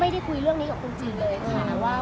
ไม่ได้คุยเรื่องนี้กับคุณจินเลยค่ะ